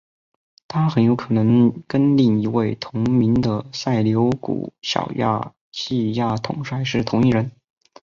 他很有可能跟另一位同名的塞琉古小亚细亚统帅是同一人。